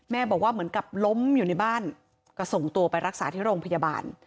บอกว่าเหมือนกับล้มอยู่ในบ้านก็ส่งตัวไปรักษาที่โรงพยาบาล